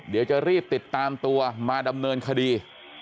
เดี๋ยวจะรีบติดตามตัวมาดำเนินคดี